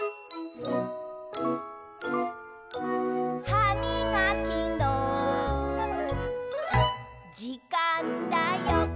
「はみがきのじかんだよ！」